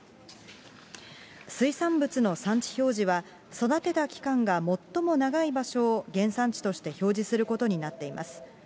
水産物の産地表示は、育てた期間が最も長い場所を、原産地として表示することになっています。